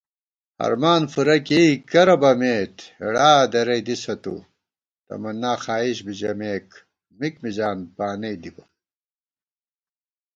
ہرمان فُورہ کېئ کرہ بَمېت ہېڑا درَئی دِسہ تُو * تمنّاں خائیش بِی ژَمېک مِک مِزان بانَئی دِبہ